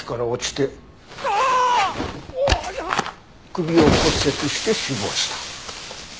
首を骨折して死亡した。